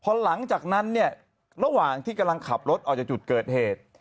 พอหลังจากนั้นเนี่ยระหว่างที่กำลังขับรถออกจากจุดเกิดเหตุ